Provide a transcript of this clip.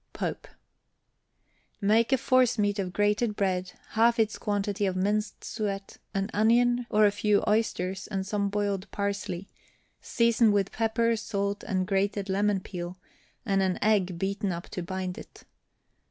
POPE. Make a forcemeat of grated bread, half its quantity of minced suet, an onion, or a few oysters and some boiled parsley, season with pepper, salt, and grated lemon peel, and an egg beaten up to bind it.